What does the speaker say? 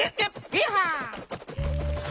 イーハー！